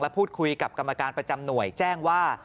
พูดคุยกับกรรมการประจำหน่วยแจ้งว่า